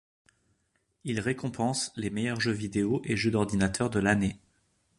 Ils récompensent les meilleurs jeux vidéo et jeux d'ordinateur de l'année.